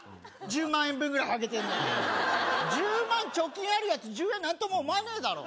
１０万円分ぐらいハゲてんのに１０万貯金あるやつ１０円何とも思わねえだろ